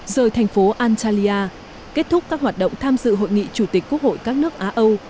rời thành phố antalya kết thúc các hoạt động tham dự hội nghị chủ tịch quốc hội các nước á âu